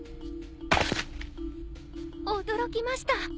驚きました。